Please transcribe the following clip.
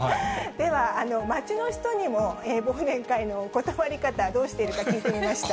では街の人にも忘年会の断り方、どうしているか、聞いてみました。